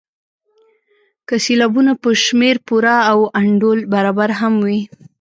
که سېلابونه په شمېر پوره او انډول برابر هم وي.